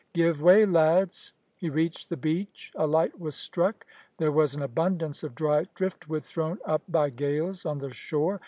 "Give way, lads." He reached the beach a light was struck. There was an abundance of dry driftwood thrown up by gales on the shore.